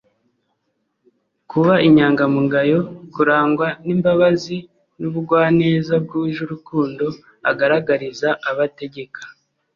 kuba inyangamugayo, kurangwa n'imbabazi n'ubugwaneza bwuje urukundo agaragariza abo ategeka